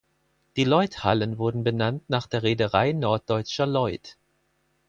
Die Lloydhallen wurde benannt nach der Reederei Norddeutscher Lloyd.